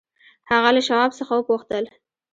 هغه له شواب څخه وپوښتل.